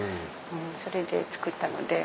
それで作ったので。